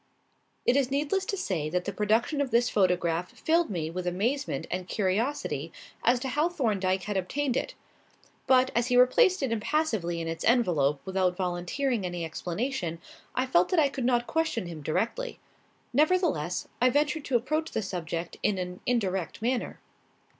It is needless to say that the production of this photograph filled me with amazement and curiosity as to how Thorndyke had obtained it. But, as he replaced it impassively in its envelope without volunteering any explanation, I felt that I could not question him directly. Nevertheless, I ventured to approach the subject in an indirect manner.